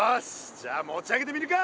じゃあ持ち上げてみるか。